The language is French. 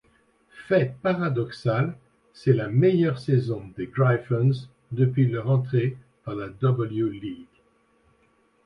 Fait paradoxal, c'est la meilleure saison des Gryphons depuis leur entée dans la W-League.